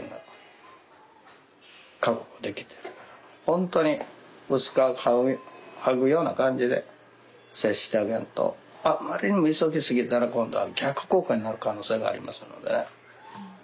本当に薄皮を剥ぐような感じで接してあげんとあんまりにも急ぎすぎたら今度は逆効果になる可能性がありますので。